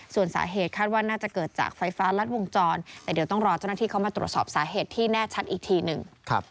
ส่วนสาเหตุคาดว่าน่าจะเกิดจากไฟฟ้ารัดวงจรแต่เดี๋ยวต้องรอเจ้าหน้าที่เข้ามาตรวจสอบสาเหตุที่แน่ชัดอีกทีหนึ่ง